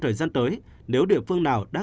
thời gian tới nếu địa phương nào đã